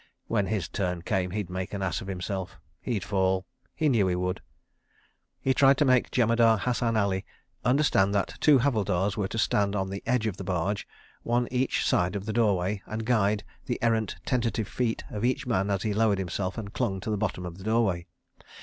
When his turn came he'd make an ass of himself—he'd fall—he knew he would! He tried to make Jemadar Hassan Ali understand that two Havildars were to stand on the edge of the barge, one each side of the doorway and guide the errant tentative feet of each man as he lowered himself and clung to the bottom of the doorway.